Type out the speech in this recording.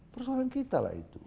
persoalan kita lah itu